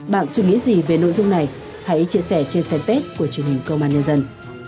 bạn suy nghĩ gì về nội dung này hãy chia sẻ trên fanpage của truyền hình công an nhân dân